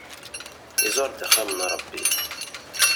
Iẓur-d axxam n Ṛebbi.